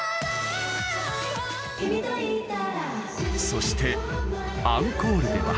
そして、アンコールでは。